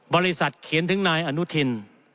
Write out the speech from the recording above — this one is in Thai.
บริษัทเขียนถึงนายอนุทิน